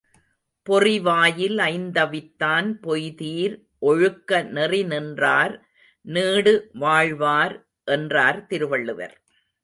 பொறிவாயில் ஐந்தவித்தான் பொய்தீர் ஒழுக்க நெறிநின்றார் நீடு வாழ்வார் என்றார் திருவள்ளுவர்.